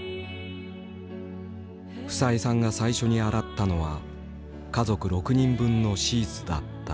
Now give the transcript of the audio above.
房江さんが最初に洗ったのは家族６人分のシーツだった。